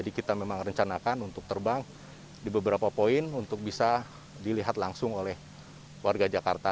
dilihat langsung oleh warga jakarta